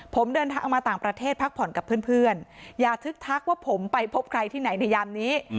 ผมเดินทางมาต่างประเทศพักผ่อนกับเพื่อนอย่าทึกทักว่าผมไปพบใครที่ไหนในยามนี้